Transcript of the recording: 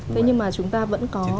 thế nhưng mà chúng ta vẫn có